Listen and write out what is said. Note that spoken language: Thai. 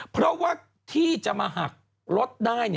เพราะว่าที่จะมาหักรถได้